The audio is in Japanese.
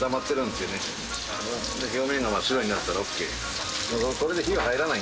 で表面が真っ白になったらＯＫ。